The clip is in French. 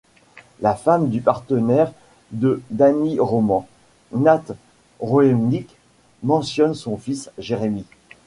La femme du partenaire de Danny Roman, Nate Roenick, mentionne son fils, Jeremy.